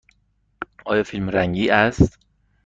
آیا فیلم رنگی است؟